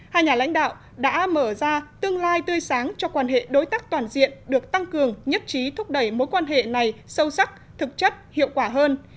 hai nhà lãnh đạo đã mở ra tương lai tươi sáng cho quan hệ đối tác toàn diện được tăng cường nhất trí thúc đẩy mối quan hệ này sâu sắc thực chất hiệu quả hơn